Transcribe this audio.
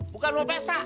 bukan mau pesta